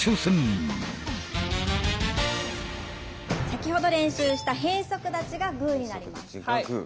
先ほど練習した閉足立ちがグーになります。